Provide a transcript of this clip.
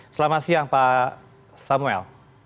selamat siang pak samuel